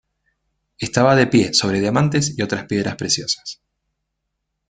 Estaba de pie sobre diamantes y otras piedras preciosas.